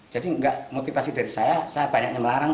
jadi nggak motivasi dari saya saya banyaknya melarang